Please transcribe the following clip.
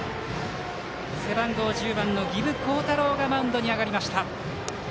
背番号１０番の儀部皓太朗がマウンドに上がりました。